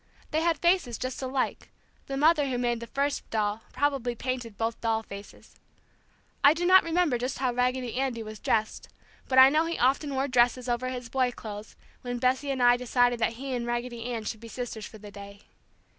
They had faces just alike; the mother who made the first doll probably painted both doll faces. I do not remember just how Raggedy Andy was dressed, but I know he often wore dresses over his boy clothes when Bessie and I decided that he and Raggedy Ann should be sisters for the day.